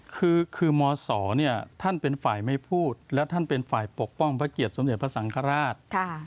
คือมศท่านเป็นฝ่ายไม่พูดและท่านเป็นฝ่ายปกป้องพระเกียรติสมเด็จพระสังฆราช